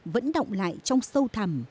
vẫn động lại trong sâu thẳm